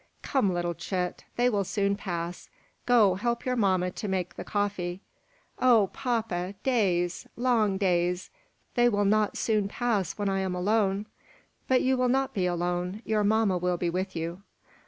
"Come, little chit; they will soon pass. Go! Help your mamma to make the coffee." "Oh, papa! Days; long days. They will not soon pass when I am alone." "But you will not be alone. Your mamma will be with you."